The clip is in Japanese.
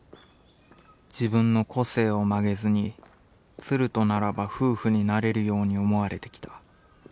自分の個性をまげずに鶴とならば夫婦になれるように思われて来た。